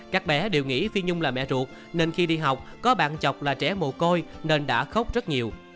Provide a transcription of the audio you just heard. các bé đều nghĩ phi nhung là mẹ ruột nên khi đi học có bạn chọc là trẻ mồ côi nên đã khóc rất nhiều